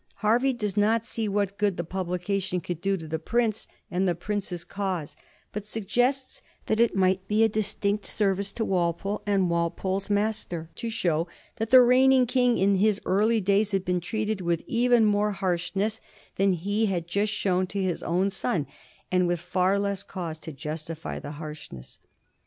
Hervey does not see what good the publication could do to the prince and the prince's cause, but suggests that it might be a distinct service to Wal pole and Walpole's master to show that the reigning king in his early days had been treated with even more harsh ness than he had just shown to his own son, and with far less cause to justify the harshness.